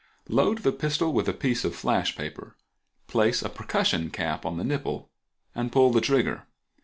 Load the pistol with a piece of flash paper, place a percussion cap on the nipple, and pull the trigger.